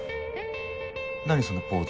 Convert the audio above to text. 何そのポーズ